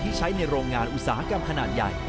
ใช้ในโรงงานอุตสาหกรรมขนาดใหญ่